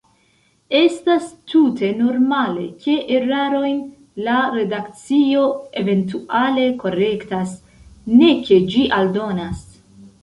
Estas tute normale, ke erarojn la redakcio eventuale korektas, ne ke ĝi aldonas.